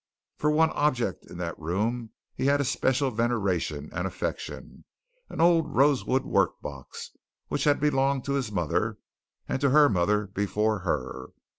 For one object in that room he had a special veneration and affection an old rosewood workbox, which had belonged to his mother, and to her mother before her.